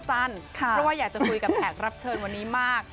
เพราะว่าอยากจะคุยกับแขกรับเชิญวันนี้มาก